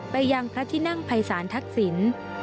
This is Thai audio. ไปยังพระที่นั่งภัยศาลทักษิณ